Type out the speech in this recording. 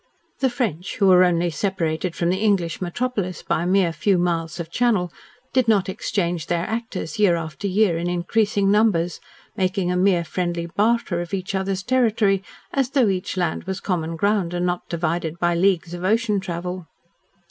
The French, who were only separated from the English metropolis by a mere few miles of Channel, did not exchange their actors year after year in increasing numbers, making a mere friendly barter of each other's territory, as though each land was common ground and not divided by leagues of ocean travel.